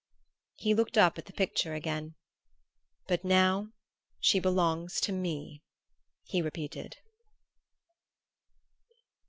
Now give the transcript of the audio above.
He looked up at the picture again. "But now she belongs to me," he repeated....